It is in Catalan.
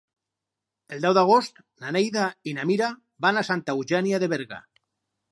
El deu d'agost na Neida i na Mira van a Santa Eugènia de Berga.